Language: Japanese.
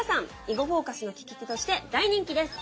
「囲碁フォーカス」の聞き手として大人気です。